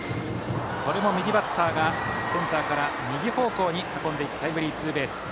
これも右バッターがセンターから右方向に運んでいくタイムリーツーベース。